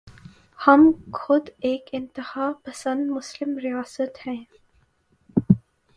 ہم خود ایک انتہا پسند مسلم ریاست ہیں۔